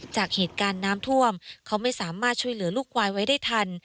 จากเหตุการณ์น้ำท่วมเขาไม่สามารถช่วยเหลือลูกควายไว้ได้ทัน